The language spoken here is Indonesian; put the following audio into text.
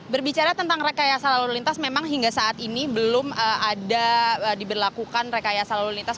berbicara tentang rekayasa lalu lintas memang hingga saat ini belum ada diberlakukan rekayasa lalu lintas